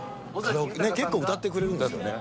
結構歌ってくれるんですよね